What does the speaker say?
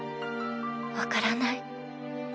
分からない。